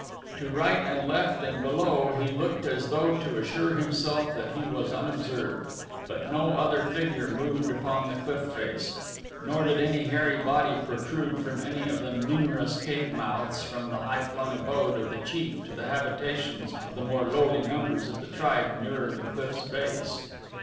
To right and left and below he looked as though to assure himself that he was unobserved, but no other figure moved upon the cliff face, nor did another hairy body protrude from any of the numerous cave mouths from the high flung abode of the chief to the habitations of the more lowly members of the tribe nearer the cliff's base.